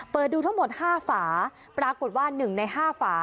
ดูทั้งหมด๕ฝาปรากฏว่า๑ใน๕ฝา